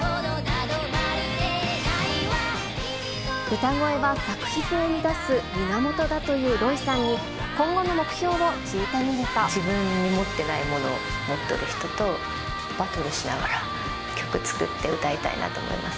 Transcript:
歌声は作品を生み出す源だというロイさんに、自分に持ってないものを持っている人と、バトルしながら、曲作って、歌いたいなと思います。